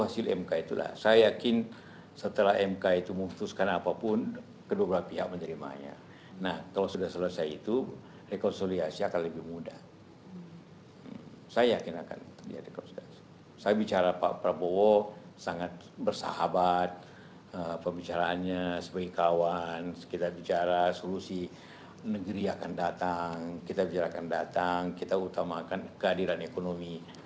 saya yakin akan terjadi saya bicara pak prabowo sangat bersahabat pembicaraannya sebagai kawan kita bicara solusi negeri akan datang kita bicara akan datang kita utamakan keadilan ekonomi